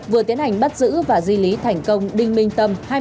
vừa tiến hành bắt giữ và di lý thành công đinh minh tâm